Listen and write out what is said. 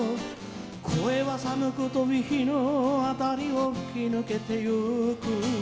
「声は寒く飛火野あたりを吹き抜けてゆく」